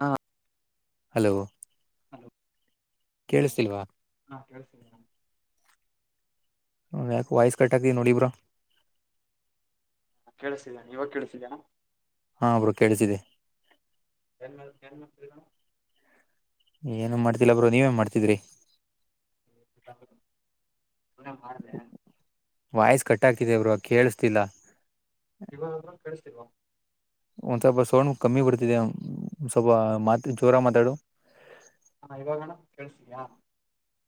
ಹಾ ಹಲೋ ಹ ಕೇಳಿಸ್ತಿಲ್ವಾ ಹಾ ಕಳ್ಸ ಹನ್ ಯಾಕ ವಾಯ್ಸ್ ಕಟ್ಟಕ ನೋಡಿಬ್ರ ಕೇಳಿಸತಿದ್ದೇನೆ ಇವಾಗ ಕೇಳಿಸಿದ್ದೆ ನಾ ಹಾ ಬರು ಕೇಳಿಸಿದೆ [inaudible] ಏನು ಮಾಡ್ತಿಲ್ಲ ಬ್ರೋ ನೀವೇ ಮಾಡ್ತಿದ್ರಿ ಮಾರದೆ ಕಟ್ಟಾಕಿದ ಬರು ಕೇಳಸ್ತಿಲ್ಲ ಇವಾಗ ಕೇಳಿಸ್ತಿಲ್ವಾ ಒಂದ್ ಸ್ವಲ್ಪ ಸೌಂಡ್ ಕಮ್ಮಿ ಬಿಡ್ತಿದೆ ಸ್ವಲ್ಪ ಮಾತ್ ಜೋರ ಮಾತಾಡು ಹಾ ಇವಾಗಣ್ಣ ಕೇಳ್ಸ್ಯಾ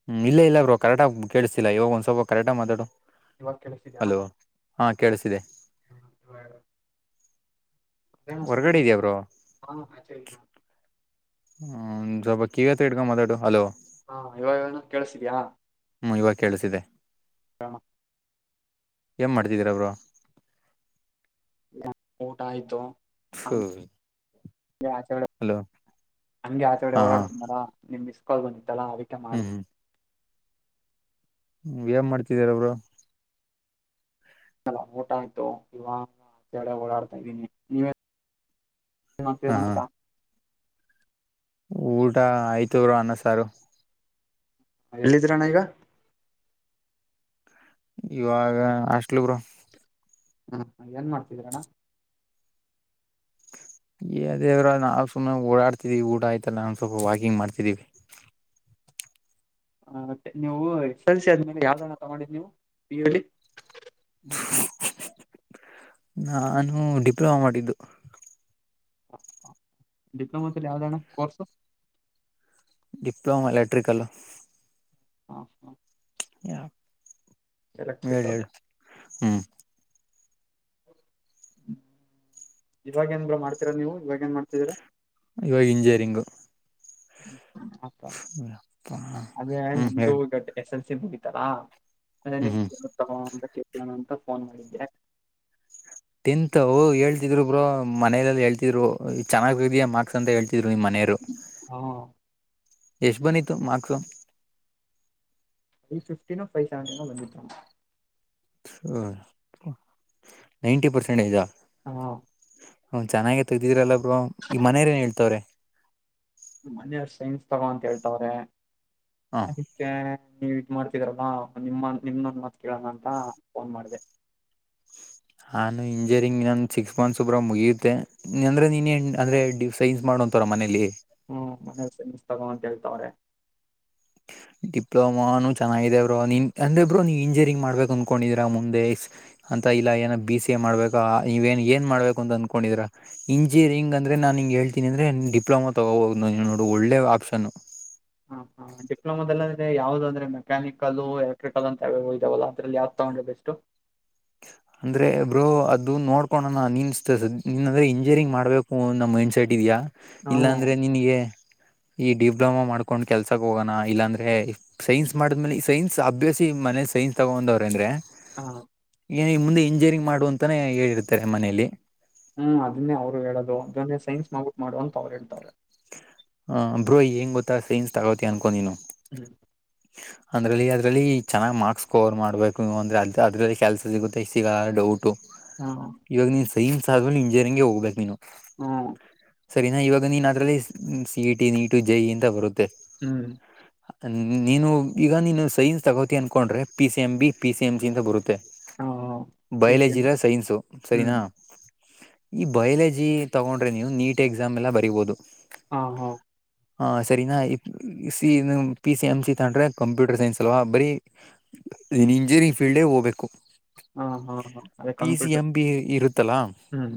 ಹ್ಮ ಇಲ್ಲ ಇಲ್ಲ ಬ್ರರು ಕರೆಕ್ಟಾಗಿ ಕೇಳಿಸತಿಲ್ಲ ಇವಾಗ ಒಂದ್ ಸ್ವಲ್ಪ ಕರೆಕ್ಟಾಗಿ ಮಾತಾಡು ಇವಾಗ ಕೆೇಳಸಿದನಾ ಹಲೋ ಹಾ ಕೇಳಿಸಿದೆ ಹ್ಮ [inaudible] ಅ ಸ ಹೊರಗಡೆ ಇದೆಯಾ ಬ್ರೋ ಹ ಹ [inaudible] ಹ್ಮ ಜಬ ಕಗತ ಇಡ್ಗ ಮ ಮಾತಾಡು ಹಲೋ ಹಾ ಇವಾಗನ ಕೇಳಸಿದ್ಯಾ ಹ್ಮ್ ಇವಾಗ ಕೇಳಿಸಿದೆ ಹ [inaudible] ಏಂ ಮಾಡ್ತಿದೀರಬ್ರು ಹ ಊಟ ಆಯ್ತು ಹ್ಮ [inaudible] ಆಚೆಡೆ ಹಂಗೆ ಆಚೆಗಡೆ ಹಾ ಹಾ ಓಡಾಡ್ತಾರ ನಿಮ್ ಮಿಸ್ಕಲ್ ಬ [inaudible] ಲ ಆಿಕ ಮಾಡುದು [inaudible] ್ಮ ಏನ್ ಮಾಡ್ತಿದಾರಬ್ರು [inaudible] ಲ್ಲ ಊಟ ಆಯ್ತು ಇವಾಗಳೆ ಓಡಾಡ್ತಾ ಇದ್ದೀನಿ ನೀವ ಹಾ ಹಾ ಮತ್ರಿದತ ಊಟ ಐತರು ಅನ್ನಸಾರು ಎಲ್ಲಿದೀರಣ ಈಗ ಇವಾಗ ಅಷ್ಟಲಿಗರು ಹ್ಮ್ ಏನ್ ಮಾಡ್ತಿದಿರಣ ದೇರ ನಾವು ಸುಮ್ಮ ಓಡಾಡ್ತಿದೀವಿ ಊಟ ಆಯ್ತಲ್ಲ ನಾ ಸ್ವಲ್ಪ ವಾಕಿಂಗ್ ಮಾಡ್ತಿದೀವಿ ಹ ಮತ್ತೆ ನೀವು ಎಸ್ ಎಲ್ ಸಿ ಆದ್ಮೇಲೆ ಯಾವ್ದಣಥ ಮಾಡಿದಿ ನೀವು ಪ ಯು ಅಲ್ಲಿ ಹ [inaudible] ನಾನು ಡಿಪ್ಲೊಮಾ ಮಾಡಿದ್ದು ಡಿಪ್ಲೊಮ ಯಾವವುದಣ ಕರ್ಸು ಡಿಪ್ಲೋಮಾ ಎಲೆಕ್ಟ್ರಿಕಲ್ಲ ಹಾ ಹಾ ಯ [inaudible] ಎಲೆಕ್ಟ್ರಿಕಲ್ ಹ್ಮ್ [inaudible] [unintelligible] ಇವಾಗ ಏನ್ ಮಾಡ್ತೀರಾ ನೀವು ಇವಾಗ ಏನ್ ಮಾಡ್ತಿದೀರಾ ಇವಾಗ ಇಂಜಿನಿಯರಿಂಗು ಅ ಅದೇ ಹ್ಮ್ ನಂದುು ಹೇಳಿ ಗ ಎಸ್ ಎ [inaudible] ಮುಗಿತಾರಾ ಹ್ಮ್ ಹ್ಮ್ ಅಂತ ಕೇಣ ಅಂತ [inaudible] ಫೋನ್ ಮಾಡಿದ್ದೆ [inaudible] ತಿಂತವು ಹೇಳ್ತಿದ್ರು ಬ್ರರು ಮನಲ ಹೇಳ್ತಿದ್ರು ಚೆನ್ನಾಗ ಇದಾ ಮಾರ್ಕ್ಸ್ ಅಂತ ಹೇಳ್ತರು ತಿರುವವಿ ಮನೆಯರು ಹಾ ಎಷ್ಟ ಬನ್ನಿತ್ತು ಮಾರ್ಕ್ಸು ತ್ರ ಫ್ಟಿನ ಫೈವ್ ಸವೆಟಿನ ಬಂದಿದ್ದ ಹ ನೈಂಟಿ ಪರ್ಸೆಂಟ್ ಇದಾ ಹಾ ಹ್ಮ ಚೆನ್ನಾಗೆ ತೆಗ್ದಿದ್ರಲ್ಲ ಬ್ರ ಈ ಮನೆಯರೇಏನ್ ಹೇಳ್ತವ್ರೆ ಮನೆಯವ್ರ ಸೈನ್ಸ್ ತಗೋಂತ ಹೇಳ್ತವ್ರೆ ಹ ಅದಕ್ಕೆ ನೀವ ಇ ಮಾಡ್ತಿದ್ರಲ್ವಾ ನಿಮ್ಮ ನಿಮ್ದೊಂದು ಮಾತ ಕೇಳೋಣ ಅಂತ ಫೋನ್ ಮಾಡಿದೆ ನಾನು ಇಂಜಿನಿಯರಿಂಗ್ ನ ಸಿಕ್ಸ್ ಮಂತ್ಸ್ ಒಬ್ರ ಮುಗಿಯುತ್ತೆ ಅಂದ್ರೆ ನೀ ಅಂದ್ರೆ ಸೈನ್ಸ್ ಮಾಡ ಅಂತರ ಮನೇೆಯಲ್ಲಿ ಹ್ಮ್ ಮನಸಿಸ್ತಗ ಅಂತ ಹೇಳ್ತಾವ್ರೆ [inaudible] ಡಿಪ್ಲೋಮಾನು ಚೆನ್ನಾಗಿದೆ ಬ್ರೋ ನೀನ್ ಅಂದ್ರೆ ಬ್ರೋ ನೀನ್ ಇಂಜಿನಿಯರಿಂಗ್ ಮಾಡ್ಬೇಕು ಅಂದಕೊಂಡಿದೀರ ಮುಂದೆ ಅಂತ ಇಲ್ಲ ಏನ ಬಿ ಸಿ ಎ ಮಾಡ್ಬೇಕಾ ನೀವನ್ ಏನ್ ಮಾಡ್ಬೇಕು ಅಂತ ಅಂದಕೊಂಡಿದ್ರ ಇಂಜಿನಿಯರಿಂಗ್ ಅಂದ್ರೆ ನಾನು ನಿಮ ಹೇಳ್ತೀನಿ ಅಂದ್ರೆ ನೀನ್ ಡಿಪ್ಲೊಮಾ ತೊಗೋಬಹದು ನೀ ನೋ ಒಳ್ಳೆ ಆಪ್ಷನ್ ಹ ಹಾ ಡಿಪ್ಲೋಮಾದದಲ್ಲಿ ಯಾವ್ದ ಅಂದ್ರೆ ಮೆಕ್ಯಾನಿಕಲ್ ಎಲೆಕ್ಟ್ರಿಕಲ್ ಅಂತ ಇದಾವಲ್ಲ ಅದ್ರಲ್ಲಿ ಯಾವ್ದ್ ತಗೊಂಡ್ರೆ ಬೆಸ್ಟು [unintelligible] ಅಂದ್ರೆ ಬ್ರೋ ಅದು ನೋಡ್ಕೋಣೋಣ ನೀನ್ ನೀನ್ ಅಂದ್ರೆ ಇಂಜಿನಿಯರಿಂಗ್ ಮಾಡ್ಬೇಕು ಅ ನಮ್ಮ ಮೈಂಡ್ ಸೆಟ್ ಇದೆಯಾ ನಾವು ಇಲ್ಲಾಂದ್ರೆ ನಿನಗೆ ಈ ಡಿಪ್ಲೊಮಾ ಮಾಡ್ಕೊಂಡ್ ಕೆಲ್ಸಕ್ ಹೋಗೋಣ ಇಲ್ಲಾಂದ್ರೆ ಸೈನ್ಸ್ ಮಾಡಿದ್ಮೇಲೆ ಸೈನ್ಸ್ ಅಭ್ಯಾಸಿ ಮ ಸೈನ್ಸ್ ತಗೊಂಡ್ವ್ರ ಅಂದ್ರೆ ಹಾ ಏನ ಈ ಮುಂದೆ ಇಂಜಿನಿಯರಿಂಗ್ ಮಾಡುವ ಅಂತಾನೆ ಹೇಳಿರ್ತಾರೆ ಮನೆಯಲ್ಲಿ ಹ್ಮ್ ಅದನ್ನೇ ಅವ್ರು ಹೇಳದು ಅದನ್ನೇ ಸೈನ್ಸ್ ಮಾಡಬಿಟ್ಟು ಮಾಡು ಅಂತ ಅವ್ರು ಹೇಳ್ತವಾರೆ ಹ ಬ್ರೋ ಏನ್ ಗೊತ್ತಾ ಸೈನ್ಸ್ ತಗೋತಿಯಾ ಅನ್ಕೊ ನೀನು ಹ್ಮ್ ಅಂದ್ರಲ್ಲಿ ಅದ್ರಲ್ಲಿ ಚೆನ್ನಾಗ್ ಮಾರ್ಕ್ಸ್ ಸ್ಕೋವರ್ ಮಾಡ್ಬೇಕು ಅಂದ್ರೆ ಅ ಅದ್ರಲ್ಲಿ ಕೆಲ್ಸ ಸಿಗುತ್ತೆ ಸಿಗಲ್ಲ ಡೌಟು ಹಾ ಸೈಮ್ ಆದ ಇಂಜಿನಿಯಂಗಗೆ ಹೋಗಬೇಕ ನೀವು ಹ್ಮ್ ಸರಿನಾ ಇವಾಗ ನೀನ್ ಅದ್ರಲ್ಲಿ C E T NEET J E ಎಂತ ಬರುತ್ತೆ ಹ್ಮ್ ನೀನು ಈಗ ನೀನು ಸೈನ್ಸ್ ತಗೋತಿ ಅನ್ಕೊಂಡ್ರೆ P C M B P C M C ಅಂತ ಬರುತ್ತೆ ಹಾ ಪಿ ಸಿ ಎಂ ಬಯಾಲಜಿರ ಸೈನ್ಸು ಹ್ಮ್ ಸರಿನಾ ಈ ಬಯಾಲಜಿ ತಗೊಂಡ್ರೆ ನೀವು ನೀಟ್ ಎಕ್ಸಾಮ್ ಎಲ್ಲ ಬರಿಬೋುದು ಹಾ ಹಾ ಹಾ ಸರಿನಾ C P C M C ತಂಡ್ರೆ ಕಂಪ್ಯೂಟರ್ ಸೈನ್ಸ್ ಅಲ್ವಾ ಬರೀನ್ ಇಂಜಿನಿಯರಿಂಗ್ ಫೀಲ್ಡ ಗೆ ಹೋಗ್ಬೇಕು ಹಾ ಹಾ ಹಾ ಅದೇ P C computer M B ಇರುತ್ತಲಾ ಹ್ಮ್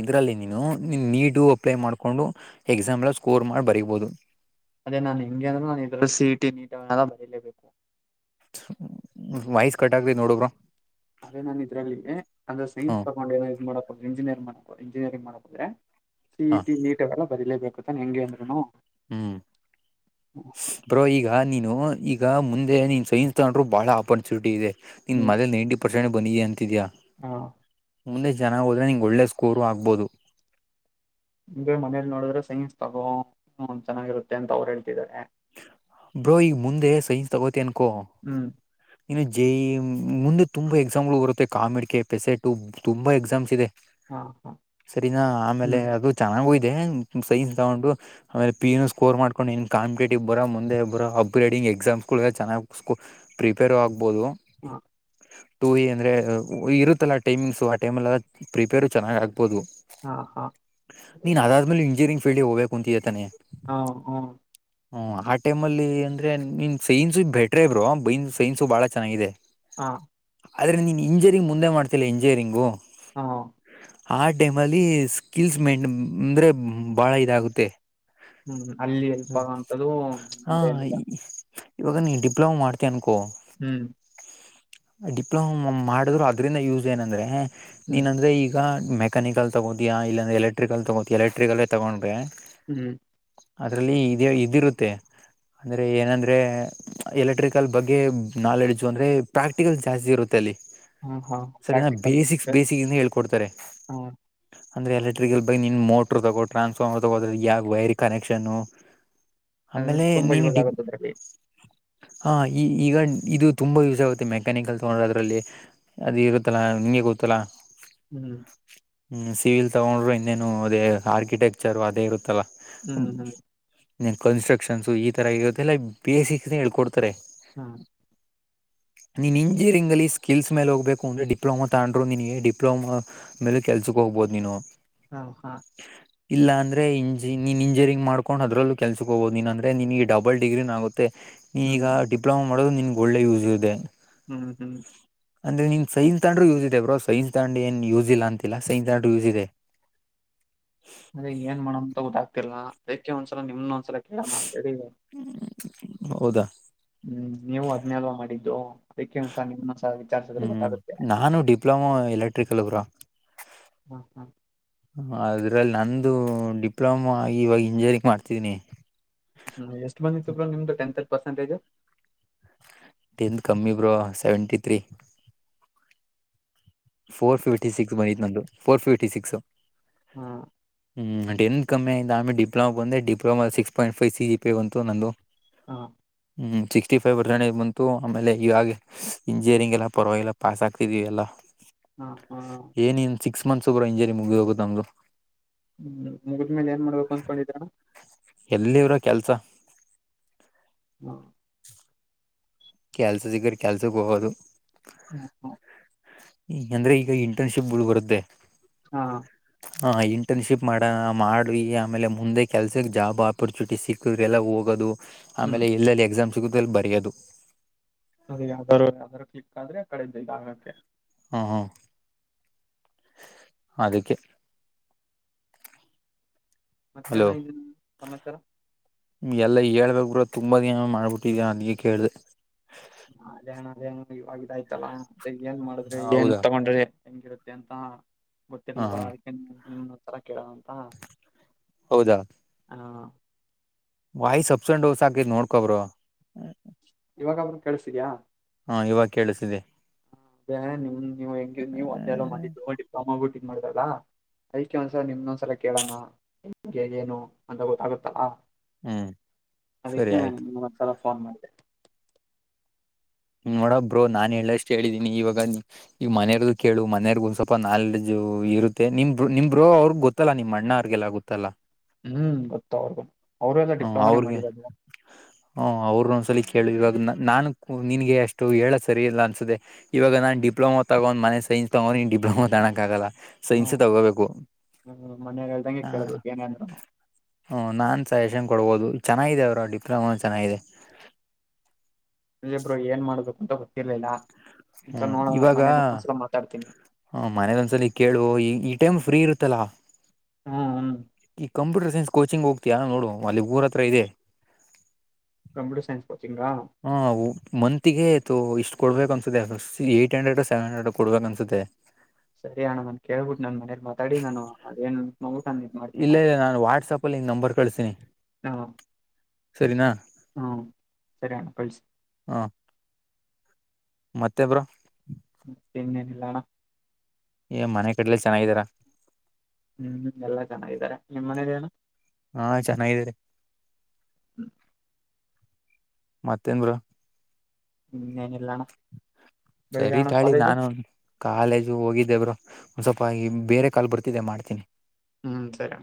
ಇದ್ರಲ್ಲಿ ನೀನು ನೀಟ ಅಪ್ಲೈ ಮಾಡ್ಕೊಂಡು ಎಕ್ಸಾಮ್ ಎಲ್ಲಾ ಸ್ಕೋರ್ ಮಾಡಿ ಬರಿಬಹುದು ಅದೇ ನಾನ ಹೆಂಗೆ ಅಂದ್ರು ನಾನು ಇದರ ಸಿಇಟಿ ನೀಟ ಎಲ್ಲಾ ಬರಿಲೇಬೇಕು ವಯಸ್ ಕಟ್ಟ ಆಗ್ತೀತೆ ನೋಡೂ ಬ್ರೋ ಅದೇ ನನ್ ಇದಲ್ಲಿ ಅಂದ್ರೆ ಸೈನ್ ಹ್ಮ್ ತಗೊಂಡು ಇದ್ ಮಾಡಬಹುದು ಇಂಜಿನಿಯರ್ ಮಾಡಹುದು ಇಂಜಿನಿಯಂಗ ಮಾಡಬಹುದು ಅದ ಹಾ ಸಿಇಟಿ ನೀಟ್ ಅವೆಲ್ಲಾ ಬರೀಲೇಬೇಕು ತಾನ ಹೆಂಗೆ ಅಂದ್ರುನು ಹ್ಮ್ ಬ್ರೋ ಈಗ ನೀನು ಈಗ ಮುಂದೆ ನೀನು ಸೈನ್ಸ್ ತಗಂಡ್ರು ಭಾಳ ಆಪರ್ಚುನಿಟಿ ಇದೆ ನಿನು ಹ್ಮ್ ಮನೇಲಿ ನೈಂಟಿ ಪರ್ಸೆಂಟ್ ಬಂದಿದಿಯ ಅಂತಿದಿಯಾ ಹಾ ಮುಂದೆ ಜನ ಹೋದ್ರೆ ನಿಂಗೆ ಒಳ್ಳೆ ಸ್ಕೋರು ಆಗ್ಬೋದು ನಿಮ ಮನೇಲಿ ನೋಡಿದ್ರೆ ಸೈನ್ಸ್ ತಗೋ ಚೆನ್ನಾಗಿರುತ್ತೆ ಅಂತ ಅವ್ರು ಹೇಳ್ತಿದ್ದಾರೆ ಬ್ರೋ ಈಗ ಮುಂದೆ ಸೈನ್ಸ್ ತಗೋತಿ ಅನ್ಕೊ ಹ್ಮ್ ಜೆಇಇ ಮುಂದೆ ತುಂಬ ಎಕ್ಸಾಮಗಳು ಬರುತ್ತೆ ಕಾಮಿಡ್ ಕೆ ಪೆಸೆಟು ತುಂಬಾ ಎಕ್ಸಾಮ್ಸ್ ಇದೆ ಹಾ ಹಾ ಸರಿನಾ ಆಮೇಲೆ ಹ್ಮ್ ಅದು ಚೆನ್ನಾಗ ಹೋಯ್ತು ನ್ ಸೈನ್ಸ್ ತಗೊಂಡು ಆಮೇಲೆ ಪಿ ಸ್ಕೋರ್ ಮಾಡ್ಕೊಂಡು ನ್ ಕಾಂಪಿಟೇ ಇಬ್ಬರ ಮುಂದೆ ಇಬ್ಬರ ಅಪ್ಗ್ರೇಡಿಂಗ್ ಎಕ್ಸಾಮ್ಸ್ಗಳು ಚೆನ್ನಾಗಿ ಸ್ ಪ್ರಿಪೇರ್ ಆಗ್ಬಹುದು ಹಾ ಟು ಇ ಅಂದ್ರೆ ಇರುತ್ತಲ್ಲಾ ಟೈಮಿಂಗ್ಸು ಆ ಟೈಮ್ ಪ್ರಿಪೇರ್ ಚೆನ್ನಾಗ ಆಗ್ ಬಹದು ಹಾ ಹಾ ನೀನ್ ಅದಾದ್ಮೇಲೆ ಇಂಜಿನಿಯರಿಂಗ್ ಫೀಲ್ಡ್ಗೆ ಹೋಗ್ಬೇಕು ಅಂತೀದಿಯಾ ತಾನೆ ಹಾ ಹ್ಮ ಹ್ಮ ಆ ಟೈಮ್ ಅಲ್ಲಿ ಅಂದ್ರೆ ನಿನ್ ಸೈನ್ಸು ಬೆಟ್ರೆ ಬರು ಬೈ ಸೈನ್ಸು ಬಾಳ ಚೆನ್ನಾಗಿದೆ ಹಾ ಆದರೆ ನೀನು ಇಂಜಿನಿಯರಿಂಗ್ ಮುಂದೆ ಮಾಡ್ತಿಲ್ಲ ಇಂಜಿನಿಯರಿಂಗೂ ಹಾ ಆ ಟೈಮ್ ಅಲ್ಲಿ ಸ್ಕಿಲ್ಸ್ ಮೆನ್ ಅಂದ್ರೆ ಬಾಳ ಇದಾಗುತ್ತೆ ಹ್ಮ್ ಅಲ್ಲಿ ಎಲ್ಪ ಅಂತ್ದುಿಲ್ಲ [unintelligible] ಇವ ನೀನ್ ಡಿಪ್ಲೊಮ ಮಾಡ ಅಕೋ ಹ್ಮ್ ಡಿಪ್ಲೊಮ ಮಾಡಿದ್ರು ಅದ್ರಿಂದ ಯೂಸ್ ಏನಂದ್ರೆ ಹ್ಮ್ ನೀನಂದ್ರೆ ಈಗ ಮೆಕಾನಿಕಲ್ ತಗೋತಯ ಇಲ್ಲಾಂದರೆ ಎಲೆಕ್ಟ್ರಿಕಲ್ ತಗೋತಯ ಎಲೆಕ್ಟ್ರಿಕಲ್ಲೇ ತೊಗೊಂಡ್ರೆ ಹ್ಮ್ ಅದ್ರಲ್ಲಿ ಇದ ಇದಿರುತ್ತೆ ಅಂದ್ರೆ ಏನಂದ್ರೆ ಎಲೆಕ್ಟ್ರಿಕಲ್ ಬಗ್ಗೆ ನಾಲೆಡ್ಜ್ ಅಂದ್ರೆ ಪ್ರಾಕ್ಟಿಕಲ್ ಜಾಸ್ತಿ ಇರುತ್ತೆ ಹಾ ಹಾ [unintelligible] ಸರಿ ನ ಪ್ರಾಕ್ಟಿಕಲ್ ಬೇಸಿಕ್ ಅಂದ್ರೆ ಬೇಸಿಕ್ ಹೇಳ್ಕೊಡ್ತಾರೆ ಹಾ ಅಂದ್ರೆ ಎಲೆಕ್ಟ್ರಿಲ್ ಬಗ್ ನಿನ್ ಮೋಟ್ರ ತಗೋ ಟ್ರಾನ್ಫ್ಮರ್ ತಗೋದ್ರೆ ಯಗ ವೈರಿ ಕನೆಕ್ಷನ್ ಅಂದ್ರೆ ಆಮೇಲೆ ತುಂಬಾ ನೀನು ಯೂಸ್ ಡಿ ಆಗುತ್ತೆ ಅದ್ರಲ್ಲಿ ಹಾ ಈ ಈಗ ಇದು ತುಂಬಾ ಯೂಸ್ ಆಗುತ್ತೆ ಮೆಕ್ಯಾನಿಕಲ್ ತಗೊಂಡ್ರ ಅದ್ರಲ್ಲಿ ಅದು ಇರುತ್ತಲ್ಲ [unintelligible] ನೀಗೂತಲ್ಲ ಹ್ಮ್ ಹ್ಮ ಸಿವಿಲ್ ತಗೊಂಡ್ರರು ಇನ್ನೇನು ಅದೇ ಆರ್ಕಿಟೆಕ್ಚರ್ ಅದೇ ಇರುತ್ತಲ್ಲಾ ಹ್ಮ್ ಹ್ಮ್ [unintelligible] ಕನ್ಸ್ಟ್ರಕ್ಷನ್ಸ್ ಈ ತರ ಇರುತ್ತೆಲ್ಲ ಬೇಸಿಕ್ ಹೇಳ್ಕೊಡ್ತ ಹ್ಮ ನೀನ್ ಇಂಜಿನಿಯರಿಂಗ್ ಅಲ್ಲಿ ಸ್ಕಿಲ್ಸ್ ಮೇಲೆ ಹೋಗ್ಬೇಕು ಅಂದ್ರೆ ಡಿಪ್ಲೊಮಾ ತಗೊಂಡ್ರುಿನಗೆ ಡಿಪ್ಲೋಮಾ ಮೇಲೆ ಕೆಲ್ಸಕ್ಕೆ ಹೋಗ್ಬಹದು ನೀನು ಹ ಹಾ ಇಲ್ಲ ಅಂದ್ರೆ ಇಜಿನ್ ಇಂಜಿನಿಯರಿಂಗ್ ಮಾಡ್ಕೊಂಡ ಅದ್ರಲ್ಲೂ ಕೆಲ್ಸಕ್ ಹೋಗಬೋದು ನೀನ್ಂದ್ರೆ ನಿನ್ ಬಲ್ ಡಿಗ್ರಿಿನ ಆಗುತ್ತೆ [unintelligible] [unintelligible] ಮತ್ತೆ ಈಗ ಹ್ಮ್ ಡಿಪ್ಲೊಮಾ ಮಾಡೋದು ನಿನ್ಗೆ ಒಳ್ಳೆ ಯೂಸ್ ಇದೆ ಹ್ಮ್ ಹ್ಮ್ ಅಂದ್ರೆ ನಿನ್ ಸೈನ್ಸ್ ತಂಡ್ರು ಯೂ ಇದೆ ಬ್ರೋ ಸೈನ್ಸ್ ತಾಂಡ್ ಏನ್ ಯೂಸ್ ಇಲ್ಲ ಅಂತಿಲ್ಲಾ ಸೈನ್ಸ್ ತಾಂಡ್ರರು ಯೂಸ್ ಇದೆ [inaudible] ಅದೇ ಏನ್ ಮಾಡೋಂತ ಗದಾಗ್ತಿರ್ಲ್ಲಾ ಅದಕ್ಕೆ ಒಂದ್ಸಲ ನಿಮ್ನು ಒಂದ್ಸಲ ಕೇಳೋಣ ಅನಂತೆಲಿ [unintelligible] ಹೌದಾ ಹ್ಮ್ ನೀವು ಹದ್ನಲ್ವ ಮಾಡಿದ್ದು ಅದಕ್ಕೇ ಸ ನಿಮ್ಮ ಸ ವಿಚಾರಿಸಿದ್ರೆ ಹ್ಮ್ ಗೊತ್ತಾಗುತ್ತೆ ನಾನು ಡಿಪ್ಲೊಮ ಎಲೆಕ್ಟ್ರಿಕಲ್ ಬ್ರೋ ಹ್ಮ ಹ್ಮ ಅದ್ರಲ್ಲಿ ನಂದು ಡಿಪ್ಲೊಮಾ ಆಗಿ ಇವಾಗ ಇಂಜಿನಿಯರಿಂಗ್ ಮಾಡ್ತಿದೀನಿ ಹ್ಮ್ ಎಷ್ಟ್ ಬಂದಿತ್ತುವ್ರ ನಿಮ್ದು ಟೆಂತ್ ಅಲ್ಲಿ ಪರ್ಸೆಂಟೇಜ್ ಟೆಂತ್ ಕಮ್ಮಿ bro seventy three four fifty six ಬರೀತ್ ನಂದು ಫೋರ್ ಫಿಫ್ಟಿ ಸಿಕ್ಸ್ ಹ್ಮ ಹ್ಮಂ ಎ ಕಮ್ಮಿ ಆಂದ ಆಮೇ ಡಿಪ್ಲೋಮ ಬಂದ ಡಿಪ್ಲಮಾ ಸಿಕ್ಸ್ ಪಾಯಿಂಟ್ ಫೈವ ಸಿಿ ಬಂತ ನಂದು ಹಾ ಹ್ಮ ಸಿಕ್ಸ್ಟಿ ಫೈವ್ ಪರ್ಸೆಂಟೇಜ್ ಬಂತು ಆಮೇಲೆ ಇವಾಗ ಇಂಜಿನಿಯರಿಂಗ್ ಎಲ್ಲ ಪರವಾಗಿಲ್ಲ ಪಾಸ್ ಆಗ್ತಿದ್ವಿ ಎಲ್ಲ ಹ್ಮ ಹಾ ಏನಿನ್ ಸಿಕ್ಸ್ ಮಂಥ್ಸ್ ಬ್ರೋ ಇಂಜಿನಿಯರಿಂಗ್ ಮುಗಿದೋಗುತ್ತೆ ನಮ್ದು ಹ್ಮ್ ಮುಗ್ಮೇಲೆ ಏನ್ ಮಾಡ್ಬೇಕು ಅಂದಕೊಂಡಿದ್ದಾರ [unintelligible] ಎಲ್ಲಿವ್ರ ಕೆಲ್ಸ [unintelligible] ಕೆಲ್ಸ ಸಿಕ್ಕುದ್ರೆ ಕೆಲ್ಸಕ್ಕೆ ಹೋಗೋದು ಹ ಹ ಅಂದ್ರೆ ಈಗ ಇಂಟರ್ನ್ಶಿಪ್ಗಳು ಬರುತ್ತೆ ಹಾ ಇಂಟರ್ನ್ಶಿಪ್ ಮಾಡ ಮಾಡಿ ಆಮೇಲೆ ಮುಂದೆ ಕೆಲ್ಸಕ್ಕೆ ಜಾಬ್ ಆಪರ್ಚುನಿಟಿ ಸಿಕ್ಕಿದ್ರ ಎಲ್ಲ ಹೋಗೋದು. ಹ್ಮ್ ಆಮೇಲೆ ಎಲ್ಲೆಲ್ಲಿ ಎಕ್ಸಾಮ್ ಸಿಗುತ್ತ ಎಲ್ಲಿ ಬರೆಯೋದು ಅದ ಯಾವುದರ ಯಾವುದರ ಕ್ಲಿಕ್ ಆದ್ರೆ ಆಕಡಿಂದ ಇದು ಆಗಕ್ಕೆ ಹ್ಮ ಅದಕ್ಕೆ ಮತ್ತೆಣ ಹಲೋ ಇಲ್ಲಿ ಸಮಾಚಾರ ಎಲ್ಲ ಹೇಳದೆಬ್ರೋ ತುಂಬಾನ ಮಾಡ್ಬಿಟ್ಟಿದ ಅವನಿಗೆ ಕೇಳ್ದ ಹಾ, ಅದೇ ಅಣ್ಣ ಅದೇ ಅಣ್ಣ ಇವಾಗ ಇದ ಆಯ್ತಲ್ಲ ಏನ್ ಮಾಡಿದ್ರೆ ಏನ್ ಹೌದಾ ತಗೊಂಡ್ರೆ ಹೆಂಗಿರುತ್ತೆ ಅಂತ ಹಾಂ ಗೊತ್ತಿರ್ಲಲ್ವಾ ಹಾಂ ಅದಕ್ಕೆ ನಿಮತ್ತರ ಕೇಳಣ ಅಂತ ಹೌದಾ ಹಹ ವಾಯ್ಸ್ ಅಪ್ಸನ್ ಡೋಸ್ ಹಾಕಿದ ನೋಡ್ಕೊಬರು ಇವಾಗ ಆದ್ರೂನು ಕೇಳಸಿದ್ಯಾ ಹಾ ಇವಾಗ ಕೇಳಿಸಿದೆ ಅದೇ ಅಮ್ಮ ಬಿಟ್ಟಿ ಇದ ಮಾಡಿದಾಗ ಅದಕ್ಕೆ ಒಂದ್ಸಲ ನಿಮ್ದೊಂದ್ಸಲ ಕೇಳೋಣ ನಿಮಗೆ ಏನು ಅಂತ ಗೊತ್ತಾಗುತ್ತಾ ಹ್ಞೂ ಸರಿ ಅದಕ್ಕೆ ಆಯಿತು ನಿನಗ್ ಒಂದ್ಸಲ ಫೋನ್ ಮಾಡಿದೆ. ನೋಡ ಬ್ರೋ ನಾನ್ ಹೇಳಷ್ಟ್ ಹೇಳಿದೀನಿ ಇವಾಗ ಈ ಮನೆರದ ಕೇಳು ಮನೆಯರ್ಗ ಒಂದ ಸ್ವಲ್ಪ ನಾಲೆಜ ಇರುತ್ತೆ ನಿಮ ನಿಮ ಬ್ರೋ ಅವ್ರಗ್ ಗೊತ್ತಲ್ಲ ನಿಮ್ ಅಣ್ಣ ಅವಾರ್ಗೆಲ್ಲ ಗೊತ್ತಲ್ಲಾ. ಹ್ಮ್ ಗೊತ್ತ ಅವರ್ಗು ಹ್ಮ ಅವ್ರಿಗೆ ಹ್ಮ ಅವ ಒಂದ್ಸಲ ಕೇಳು ಇವಾಗ ನಾನು ನಿನ್ಗೆ ಅಷ್ಟು ಹೇಳ ಸರಿ ಇಲ್ಲ ಅನ್ಸದೆ ಇವಾಗ ನಾನ್ ಡಿಪ್ಲೋಮಾ ತಗೊಂಡ. ಒಂದ ಮನೆ ಸೈಜ ತಗೊಂಡ ಡಿಪ್ಲೊಮಾ ಅನಕಾಗಲ್ಲ ಹ್ಮ ಸೈನ್ಸ ತಗೋಬೇಕು ಮನೆಯವ್ರು ಹೇಳ್ದಂಗೆ ಹ ಕೇಳಿದ್ರು ಏನೇ ಅಂದ್ರುನು ಹ ನಾ ಇಂತ ಎಕ್ಸಾಮಗಳು ಓದ ಚೆನ್ನಾಗಿದೆ ಬ್ರೋ ಡಿಪ್ಲೊಮಾ ಚೆನ್ನಾಗಿದೆ ಹೆ ಬ್ರು ಏನ್ ಮಾಡಬೇಕು ಅಂತ ಗೊತ್ತಿರ್ಲಿಲ್ಲ ಒಂದ್ಸಲ ಹ್ಮ್ ನೋಡೋಣ ಇವಾಗ ಮನೇಲಿ ಒಂದ್ಸಲ ಮಾತಾಡ್ತೀನಿ ಹ ಮನೇದೊಂದ್ಸಲಿ ಕೇಳುವ ಈ ಈ ಟೈಮ್ ಫ್ರೀ ಇರುತ್ತ ಲ ಹ್ಮ್ ಹ್ಮ್ ಈ ಕಂಪ್ಯೂಟರ್ ಕೋಚಿಂಗ್ ಹೋಗ್ತಿಯಾ ನೋಡು ಅಲ್ಲಿ ಊರ ಹತ್ರ ಇದೆ ಕಂಪ್ಯೂಟರ್ ಸೈನ್ಸ್ ಕೋಚಿಂಗಾ ಹಾ ಮಂತಿಗೆಯತು [unintelligible] ಕೊಡ್ಬೇಕ ಅನ್ಸುತ್ತೆ C eight hundred seven hundred ಕೊಡ್ಬೇಕು ಅನ್ಸುತ್ತೆ ಸರಿ ಅಣ್ಣ ನನ್ ಕೇಳ್ಬಿಟ್ಟು ನನ್ ಮನೇಲಿ ಮಾತಾಡಿ ನಾನು ಅದೇನ್ ನ ಇಲ್ಲ ಇಲ್ಲ ನಾನು ವಾಟ್ಸಪ್ ಅಲ್ಲಿ ನಂಬರ್ ಕಳಸೀನಿ ಹ ಸರಿನಾ ಹ್ಮ ಸರಿ ಕಳಿಸಿ ಹ ಮತ್ತೆ ಬ್ರು ಇನ್ನಲ್ಲಣ ಏ ಮನೆ ಕಡ್ಲೆ ಚೆನ್ನಾಗಿದರ ಹ್ಮ್ ಎಲ್ಲಾ ಚೆನ್ನಾಗಿದ್ದಾರೆ ನಿಮ್ಮ ಮನೇಲೆ ನು [inaudible] ಹಾ ಚೆನ್ನಾಗಿದೀರಿ ಮತ್ತೇನ ಬ್ರು ಹ್ಮ ಏನ ಇಲ್ಲಣ ಬೆಳಿಗೆ ಸರಿ ಅಣ್ಣ ತಾಳಿ ಕಾಲೇಜು ನಾನು ಕಾಲೇಜು ಹೋಗಿದ್ದೆಬ್ರು ಒ ಸ್ವಲ್ಪ ಬೇರೆ ಕಾಲ್ ಬರ್ತಿದ್ದೆ ಮಾಡ್ತೀನಿ. ಹ್ಮ್ ಸರಿ